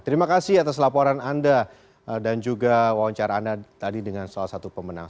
terima kasih atas laporan anda dan juga wawancara anda tadi dengan salah satu pemenang